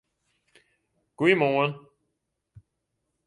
Goeiemoarn!